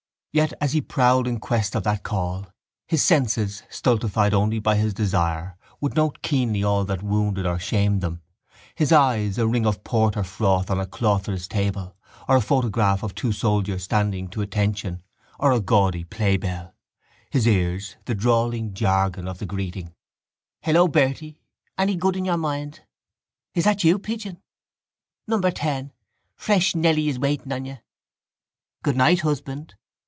Yet as he prowled in quest of that call, his senses, stultified only by his desire, would note keenly all that wounded or shamed them; his eyes, a ring of porter froth on a clothless table or a photograph of two soldiers standing to attention or a gaudy playbill; his ears, the drawling jargon of greeting: —Hello, Bertie, any good in your mind? —Is that you, pigeon? —Number ten. Fresh Nelly is waiting on you. —Good night, husband!